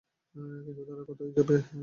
কিন্তু তারা কোথায় যাবে তা আমরা কীভাবে জানব?